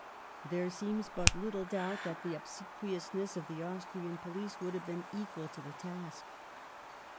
There seems but little doubt that the obsequiousness of the Austrian police would have been equal to the task.